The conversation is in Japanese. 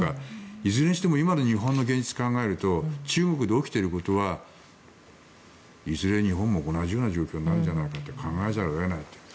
いずれにしても今の日本の現実を考えると中国で起きていることはいずれ日本も同じような状況になるんじゃないかって考えざるを得ない。